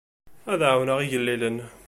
Ad ɛawneɣ igellilen.